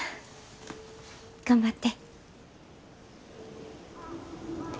頑張って。